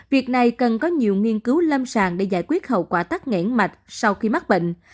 việc này cần có nhiều nghiên cứu lâm sàng để giải quyết hậu quả tắc nghẽn mạch sau khi mắc bệnh